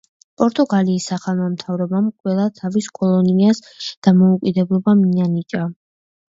პორტუგალიის ახალმა მთავრობამ ყველა თავის კოლონიას დამოუკიდებლობა მიანიჭა.